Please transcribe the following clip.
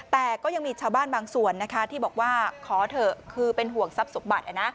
แต่ก็ยังมีชาวบ้านบางส่วนนะคะที่บอกว่าขอเถอะคือเป็นห่วงทรัพย์สมบัติ